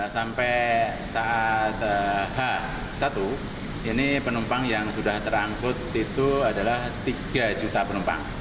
sampai saat h satu ini penumpang yang sudah terangkut itu adalah tiga juta penumpang